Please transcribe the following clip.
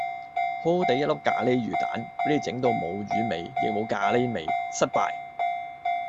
好好哋一粒咖喱魚蛋，俾你整到冇魚味亦都冇咖喱味，失敗